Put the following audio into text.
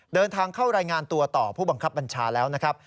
เดินทางเข้ารายงานตัวต่อผู้บังคับบัญชาแล้วนะครับ